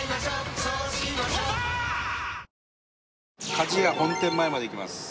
かじや本店前まで行きます。